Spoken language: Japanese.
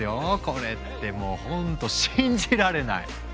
これってもうほんと信じられない！